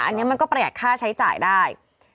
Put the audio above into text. อันนี้มันก็ประหยัดค่าใช้จ่ายได้